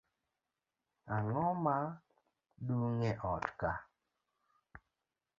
Ang'oma dung' e ot kaa?